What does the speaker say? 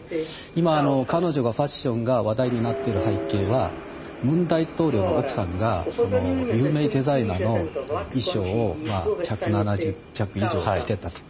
今、彼女のファッションが話題になっている背景は文大統領の奥さんが有名デザイナーの衣装を１７０着以上着ていたと。